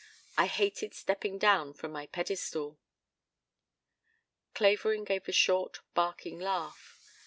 I hated stepping down from my pedestal." Clavering gave a short barking laugh.